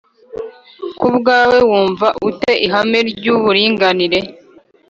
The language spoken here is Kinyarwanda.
Ku bwawe wumva ute ihame ry’uburinganire